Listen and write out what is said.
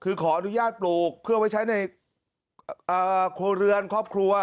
คือขออนุญาตปลูกเพื่อไว้ใช้ในครัวเรือนครอบครัว